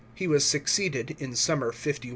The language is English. * He was succeeded (in summer 51 A.